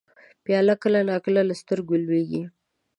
پیاله کله نا کله له سترګو لوېږي.